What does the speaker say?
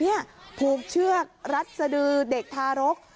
นี่ผูกเชือกรัดสดือเด็กทารก